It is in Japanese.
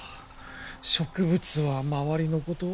植物は周りのこと